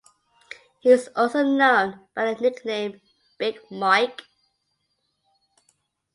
He is also known by the nickname "Big Mike".